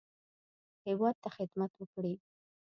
هیواد ته خدمت وکړي.